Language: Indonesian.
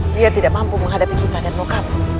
dia tidak mampu menghadapi kita dan lokal